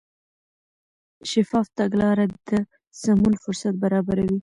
شفاف تګلاره د سمون فرصت برابروي.